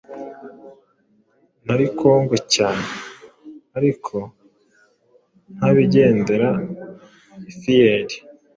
Nari kongwe cyane ariko ntabigendera ifiyeri